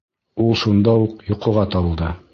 Ул шунда уҡ йоҡоға талды.